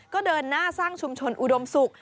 ก็เดินหน้าสร้างชุมชนอุดมศุกร์